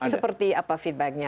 seperti apa feedbacknya